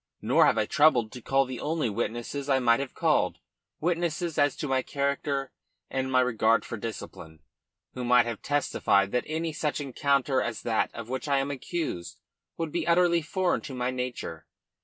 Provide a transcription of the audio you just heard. Nor have I troubled to call the only witnesses I might have called witnesses as to my character and my regard for discipline who might have testified that any such encounter as that of which I am accused would be utterly foreign to my nature.